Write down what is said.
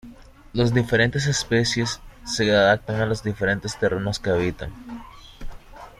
Las diferentes especies se adaptan a los diferentes terrenos que habitan.